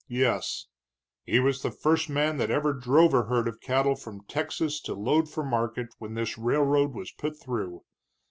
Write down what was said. Yes. He was the first man that ever drove a herd of cattle from Texas to load for market when this railroad was put through.